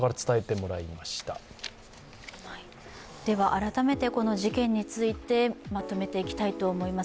改めて、この事件についてまとめていきたいと思います。